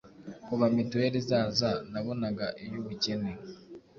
kuva mituweli zaza nabonaga iy’ubukene,